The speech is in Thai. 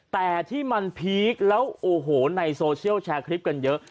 แต่ที่มันพีคแล้วโอ้โหในโซเชียลแชร์คลิปกันเยอะ